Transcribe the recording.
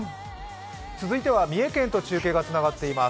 続いては、三重県と中継がつながっています。